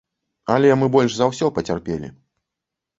Але мы больш за ўсё пацярпелі.